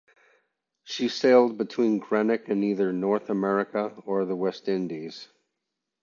She sailed between Greenock and either North America or the West Indies.